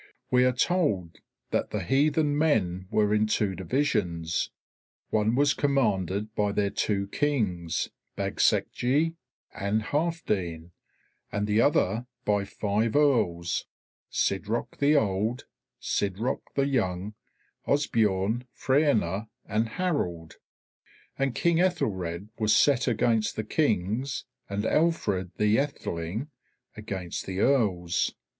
We are told that the heathen men were in two divisions; one was commanded by their two Kings Bagsecg and Halfdene, and the other by five Earls, Sidroc the Old, Sidroc the Young, Osbeorn, Fraena, and Harold. And King Aethelred was set against the Kings and Alfred the Aetheling against the Earls.